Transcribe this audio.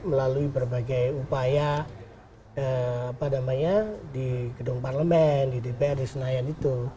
melalui berbagai upaya di gedung parlemen di dpr di senayan itu